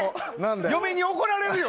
嫁に怒られるよ！